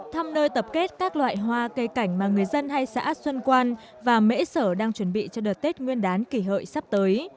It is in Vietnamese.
thăm nơi tập kết các loại hoa cây cảnh mà người dân hay xã xuân quan và mễ sở đang chuẩn bị cho đợt tết nguyên đán kỷ hợi sắp tới